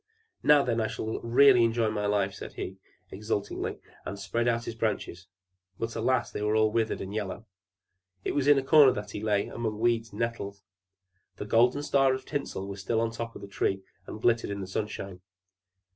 "Now, then, I shall really enjoy life," said he exultingly, and spread out his branches; but, alas, they were all withered and yellow! It was in a corner that he lay, among weeds and nettles. The golden star of tinsel was still on the top of the Tree, and glittered in the sunshine.